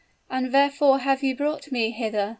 and wherefore have you brought me hither?"